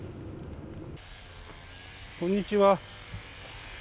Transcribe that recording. こんにちは。